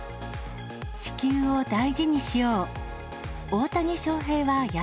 地球を大事にしよう。